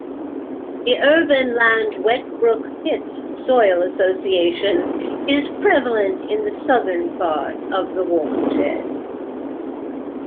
The Urban Land-Wetbrook-Pitts soil association is prevalent in the southern part of the watershed.